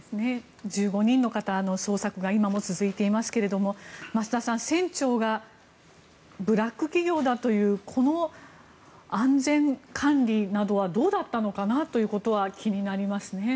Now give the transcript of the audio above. １５人の方の捜索が今も続いていますが増田さん、船長がブラック企業だというこの安全管理などはどうだったのかなということは気になりますね。